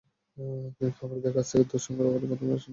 তিনি খামারিদের কাছ থেকে দুধ সংগ্রহ করে প্রথমে আসল ননি তুলে নিতেন।